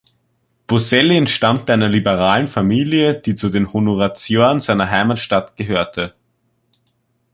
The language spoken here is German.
Boselli entstammte einer liberalen Familie, die zu den Honoratioren seiner Heimatstadt gehörte.